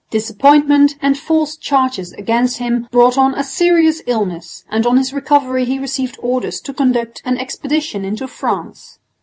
Disappointment and false charges against him brought on a serious illness, and on his recovery he received orders to conduct an expedition into France.